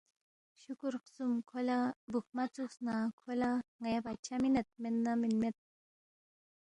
شُکرُو خسُوم کھو لہ بُوکھما ژُوکس نہ کھو لہ ن٘یا بادشاہ مِنید، مید نہ مِنما مید